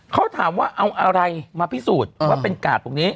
เขาถามว่าเอาอะไรมาพิสูจน์ว่าเป็นกาดตรงนี้